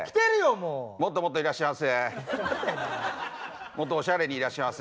もっともっといらっしゃいませ。